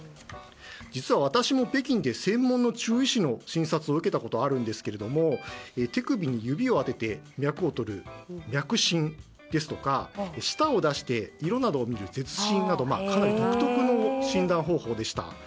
実は私も、北京で専門の中医師の診察を受けたことがあるんですが手首に指をあてて脈をとる脈診ですとか下の色を見る舌診などかなり独特な診断方法でした。